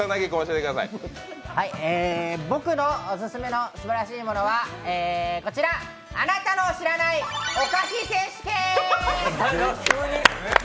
僕のオススメのすばらしいものは、こちら、あなたの知らないお菓子選手権！